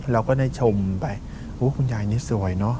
เราก็ได้ชมไปคุณยายนี่สวยเนอะ